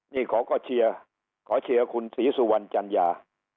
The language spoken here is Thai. นี่เขาก็เชียร์ขอเชียร์คุณศรีสุวรรณจัญญา